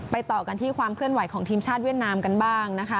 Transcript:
ต่อกันที่ความเคลื่อนไหวของทีมชาติเวียดนามกันบ้างนะคะ